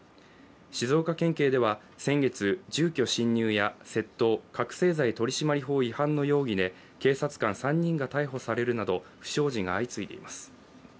静岡県警では先月、住居侵入や窃盗覚醒剤取締法違反の容疑で警察官３人が逮捕されるなど不祥事が相次いでいます。